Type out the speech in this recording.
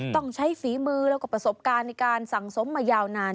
ต้องใช้ฝีมือแล้วก็ประสบการณ์ในการสั่งสมมายาวนาน